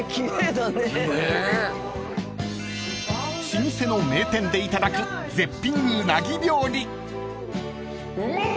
［老舗の名店でいただく絶品うなぎ料理］